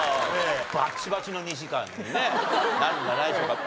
バッチバチの２時間にねなるんじゃないでしょうか。